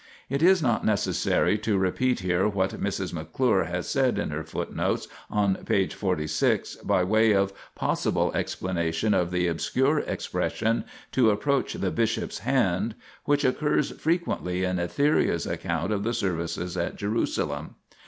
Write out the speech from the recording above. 2 It is not necessary to repeat here what Mrs. McClure has said in her footnote on p. 46 by way of possible explanation of the obscure expression " to approach the bishop's hand," which occurs frequently in Etheria's account of the services at Jerusalem.